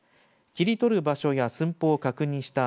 切り取る場所や寸法を確認した